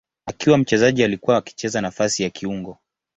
Akiwa mchezaji alikuwa akicheza nafasi ya kiungo.